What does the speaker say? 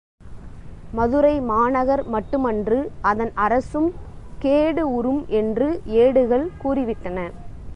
மதுரை மாநகர் மட்டுமன்று அதன் அரசும் கேடு உறும் என்று ஏடுகள் கூறி விட்டன.